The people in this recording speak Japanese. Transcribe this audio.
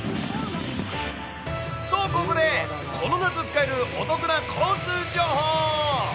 と、ここでこの夏使えるお得な交通情報。